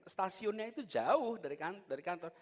stasiunnya itu jauh dari kantor